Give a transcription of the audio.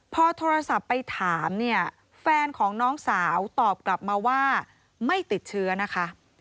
พอโทรศัพท์ไปถามเนี่ยแฟนของน้องสาวตอบกลับมาว่าไม่ติดเชื้อนะคะ